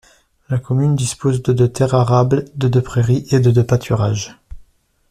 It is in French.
La commune dispose de de terres arables, de de prairies et de de pâturages.